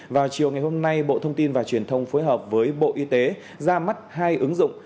vào chiều ngày hôm nay bộ thông tin và truyền thông phối hợp với bộ y tế ra mắt hai ứng dụng